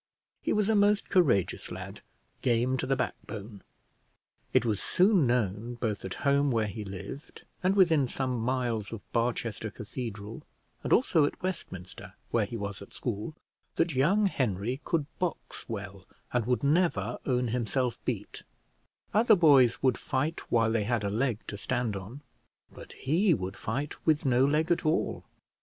He was a most courageous lad, game to the backbone. It was soon known, both at home, where he lived, and within some miles of Barchester Cathedral, and also at Westminster, where he was at school, that young Henry could box well and would never own himself beat; other boys would fight while they had a leg to stand on, but he would fight with no leg at all.